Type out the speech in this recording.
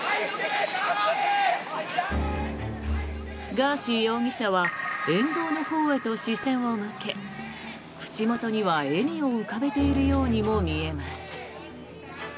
ガーシー容疑者は沿道のほうへと視線を向け口元には笑みを浮かべているようにも見えます。